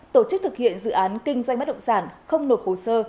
tổ chức thực hiện dự án kinh doanh bất động sản không nộp hồ sơ